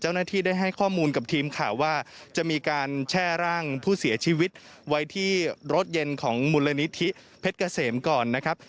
เจ้าหน้าที่ได้ให้ข้อมูลกับทีมข่าวว่าจะมีการแช่ร่างผู้เสียชีวิตไว้ที่รถเย็นของมูลนิธิเพชรเกษมก่อนนะครับ